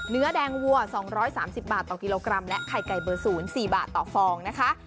เนื้อแดงวัว๒๓๐บาทต่อกิโลกรัมและไข่ไก่เบอร์๐๔บาทต่อฟองนะคะ